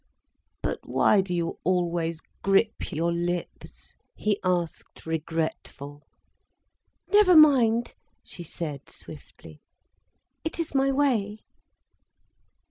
"But why do you always grip your lips?" he asked, regretful. "Never mind," she said swiftly. "It is my way."